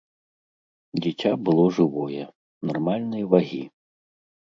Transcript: Дзіця было жывое, нармальнай вагі.